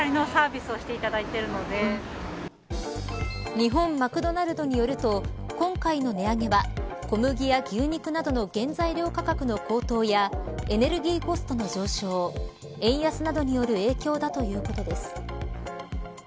日本マクドナルドによると今回の値上げは小麦や牛肉などの原材料価格の高騰やエネルギーコストの上昇円安などによる影響だということです。